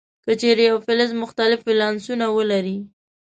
که چیرې یو فلز مختلف ولانسونه ولري.